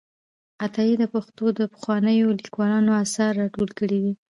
عطایي د پښتو د پخوانیو لیکوالو آثار راټول کړي دي.